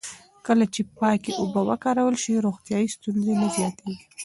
کله چې پاکې اوبه وکارول شي، روغتیایي ستونزې نه زیاتېږي.